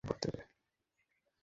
এখন থেকে সরাসরি আমাকে রিপোর্ট দিবে।